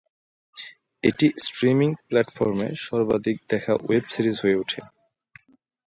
এটি স্ট্রিমিং প্ল্যাটফর্মে সর্বাধিক দেখা ওয়েব সিরিজ হয়ে ওঠে।